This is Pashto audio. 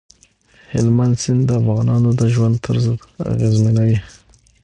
هلمند سیند د افغانانو د ژوند طرز اغېزمنوي.